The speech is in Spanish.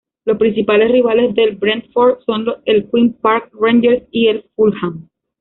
Los principales rivales del Brentford son el Queens Park Rangers y el Fulham.